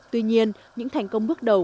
tuy nhiên những thành công bước đầu